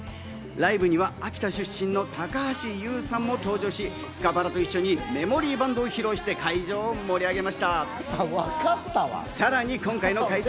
ライブには秋田出身の高橋優さんも登場し、スカパラと一緒に『メモリー・バンド』を披露して会場を盛り上げました。